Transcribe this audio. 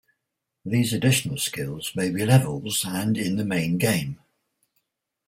These additional skills may be levels and in the main game.